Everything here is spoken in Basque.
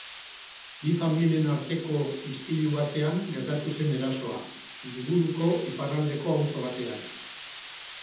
Bi familien arteko istilu batean gertatu zen erasoa, hiriburuko iparraldeko auzo batean.